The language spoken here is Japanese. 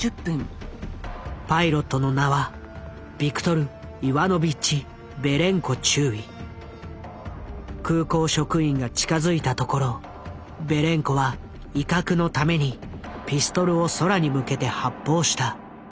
パイロットの名は空港職員が近づいたところベレンコは威嚇のためにピストルを空に向けて発砲した。